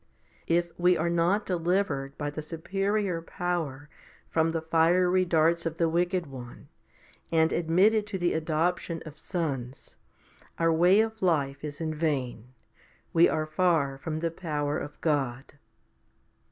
5 If we are not delivered by the superior power from the fiery darts of the wicked one and admitted to the adoption of sons, our social existence is in vain ; we are far from the power of God.